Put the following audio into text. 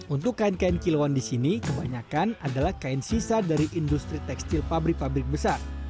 untuk kain kain kiloan di sini kebanyakan adalah kain sisa dari industri tekstil pabrik pabrik besar